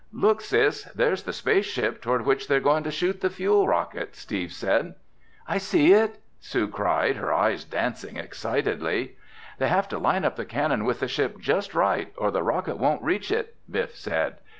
"Look, Sis, there's the space ship toward which they're going to shoot the fuel rocket," Steve said. "I see it!" Sue cried, her eyes dancing excitedly. "They have to line up the cannon with the ship just right or the rocket won't reach it," Biff said.